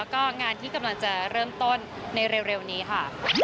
ก็งานที่กำลังจะเริ่มต้นในเร็วนี้ค่ะ